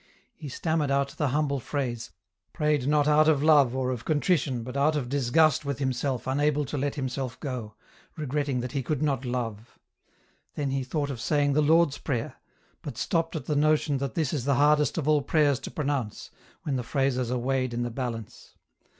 He stammered out the humble phrase, prayed not out of love or of contrition, but out of disgust with himself, unable to let himself go, regretting that he could not love. Then he thought of saying the Lord's Prayer, but stopped at the notion that this is the hardest of all prayers to pronounce, when the phrases are weighed in the balance.